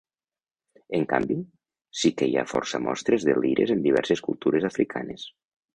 En canvi, sí que hi ha força mostres de lires en diverses cultures africanes.